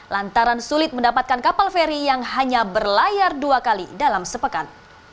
lantaran sulit mendapatkan kapal feri yang hanya berlayar dua kali dalam sepekan